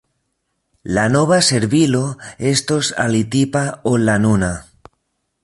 La nova servilo estos alitipa ol la nuna.